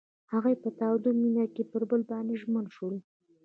هغوی په تاوده مینه کې پر بل باندې ژمن شول.